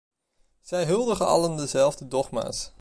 Zij huldigen allen dezelfde dogma's.